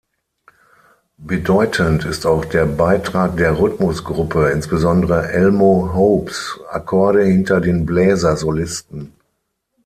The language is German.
Bedeutend ist auch der Beitrag der Rhythmusgruppe, insbesondere Elmo Hopes Akkorde hinter den Bläser-Solisten.